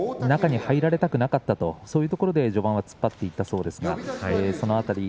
中に入られたくなかったそういうことで序盤は突っ張っていったそうです。